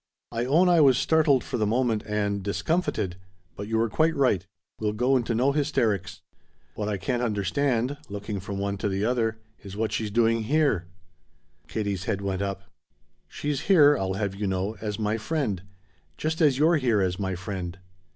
"I own I was startled for the moment, and discomfited. But you were quite right we'll go into no hysterics. What I can't understand" looking from one to the other "is what she's doing here." Katie's head went up. "She's here, I'll have you know, as my friend. Just as you're here as my friend."